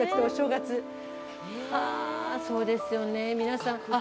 はぁそうですよね皆さん。